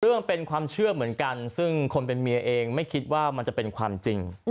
มันเป็นความเชื่อเหมือนกันซึ่งคนเป็นเมียเองไม่คิดว่ามันจะเป็นความจริง